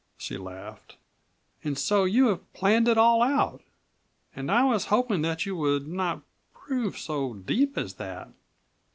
she laughed; "and so you have planned it all out! And I was hoping that you would not prove so deep as that.